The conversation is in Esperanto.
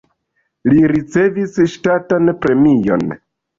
Li ricevis ŝtatan premion.